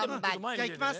じゃあいきます。